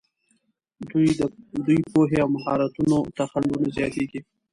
دوی پوهې او مهارتونو ته خنډونه زیاتېږي.